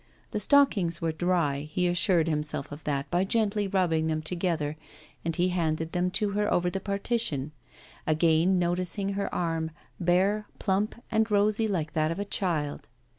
The stockings were dry, he assured himself of that by gently rubbing them together, and he handed them to her over the partition; again noticing her arm, bare, plump and rosy like that of a child.